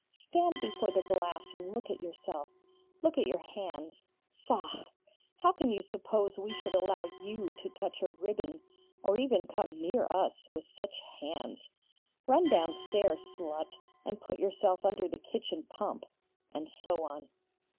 Stand before the glass and look at yourself! Look at your hands faugh! How can you suppose we should allow you to touch a ribbon, or even come near us, with such hands? Run downstairs, slut, and put yourself under the kitchen pump' and so on.